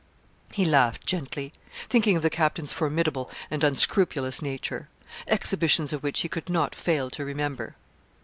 He laughed gently, thinking of the captain's formidable and unscrupulous nature, exhibitions of which he could not fail to remember.